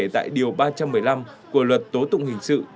tại điều ba trăm một mươi năm của luật tố tụng hình sự